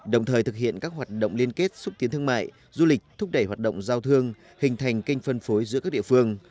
đồng thời thực hiện các hoạt động liên kết xúc tiến thương mại du lịch thúc đẩy hoạt động giao thương hình thành kênh phân phối giữa các địa phương